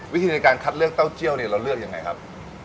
วิธีในการคัดเลือกเต้าเจียวเนี่ยเราเลือกยังไงครับ